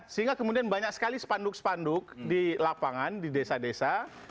sehingga kemudian banyak sekali spanduk spanduk di lapangan di desa desa